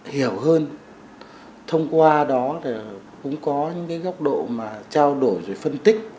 hiểu hơn thông qua đó thì cũng có những cái góc độ mà trao đổi rồi phân tích